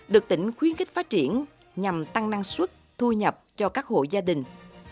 được tỉnh khuyến khích phát triển nhằm tăng năng suất thu nhập cho các hộ gia đình